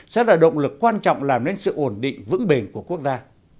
sẽ là động lực quan trọng làm nên sự ổn định vững bền của quốc gia